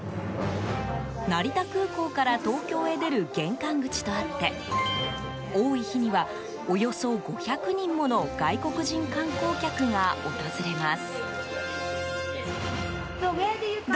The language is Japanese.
成田空港から東京へ出る玄関口とあって多い日には、およそ５００人もの外国人観光客が訪れます。